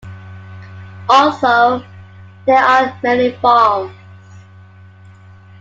Also, there are many farms.